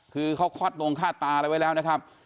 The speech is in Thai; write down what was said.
คือเขาคลอดดงฆ่าตาอะไรไว้แล้วนะครับ